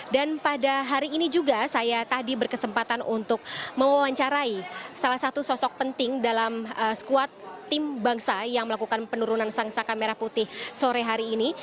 dan pada hari ini juga saya tadi berkesempatan untuk mewawancarai salah satu sosok penting dalam squad tim bangsa yang melakukan penurunan sangsaka merah putih sore hari ini